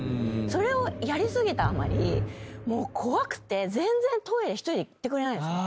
それをやり過ぎたあまり怖くて全然トイレ１人で行ってくれないんですよ。